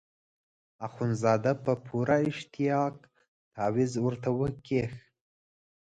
اخندزاده په پوره اشتیاق تاویز ورته وکیښ.